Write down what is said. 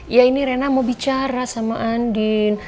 ya ini rena mau bicara sama andin